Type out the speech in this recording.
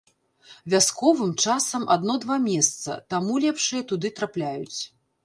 Вясковым часам адно-два месца, таму лепшыя туды трапляюць.